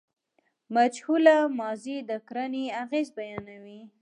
مجهوله ماضي د کړني اغېز بیانوي.